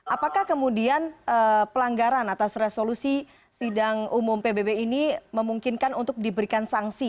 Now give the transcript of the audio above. apakah kemudian pelanggaran atas resolusi sidang umum pbb ini memungkinkan untuk diberikan sanksi